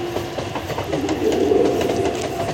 Ur k-yuɣ walu?